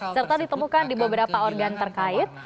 serta ditemukan di beberapa organ terkait